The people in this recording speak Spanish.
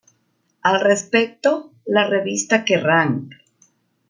Al respecto, la revista "Kerrang!